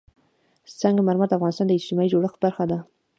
سنگ مرمر د افغانستان د اجتماعي جوړښت برخه ده.